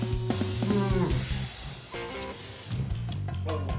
うん。